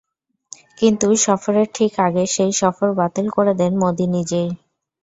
কিন্তু সফরের ঠিক আগে সেই সফর বাতিল করে দেন মোদি নিজেই।